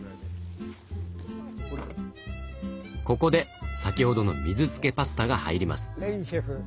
ここで先ほどの水づけパスタが入ります。